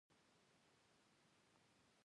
بندونه د اوبو مخه نیسي